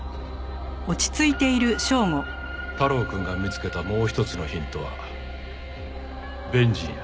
太郎くんが見つけたもう一つのヒントはベンジンや。